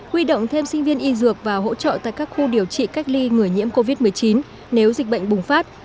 huy động thêm sinh viên y dược và hỗ trợ tại các khu điều trị cách ly người nhiễm covid một mươi chín nếu dịch bệnh bùng phát